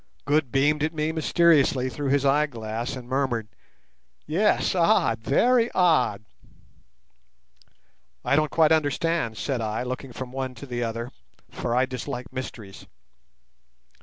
Good beamed at me mysteriously through his eyeglass and murmured, "Yes, odd—very odd." "I don't quite understand," said I, looking from one to the other, for I dislike mysteries.